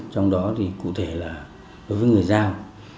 trong đó cụ thể là đối với người giao